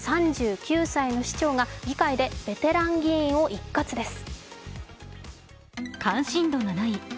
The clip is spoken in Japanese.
３９歳の市長が議会でベテラン議員を一括です。